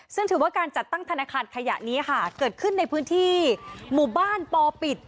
ซึ่งถือว่าการจัดตั้งธนาคารขยะนี้ค่ะเกิดขึ้นในพื้นที่หมู่บ้านปอปิด